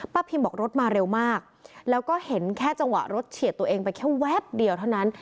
พิมบอกรถมาเร็วมากแล้วก็เห็นแค่จังหวะรถเฉียดตัวเองไปแค่แวบเดียวเท่านั้น